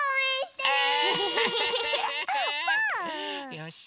よし！